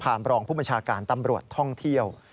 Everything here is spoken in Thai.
รองผู้บัญชาการตำรวจท่องเที่ยว